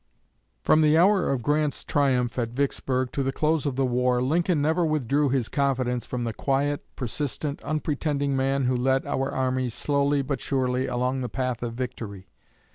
From the hour of Grant's triumph at Vicksburg to the close of the war, Lincoln never withdrew his confidence from the quiet, persistent, unpretending man who led our armies slowly but surely along the path of victory.